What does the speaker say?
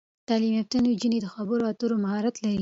تعلیم یافته نجونې د خبرو اترو مهارت لري.